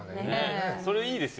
それ、いいですよ。